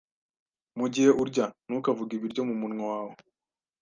Mugihe urya, ntukavuge ibiryo mumunwa wawe.